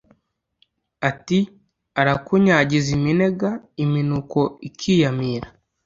Ati: Arakunyagiza iminega, iminuko ikiyamira